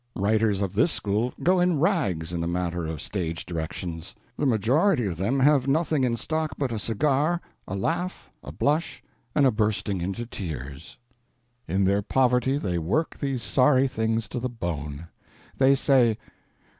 Writers of this school go in rags, in the matter of stage directions; the majority of them having nothing in stock but a cigar, a laugh, a blush, and a bursting into tears. In their poverty they work these sorry things to the bone. They say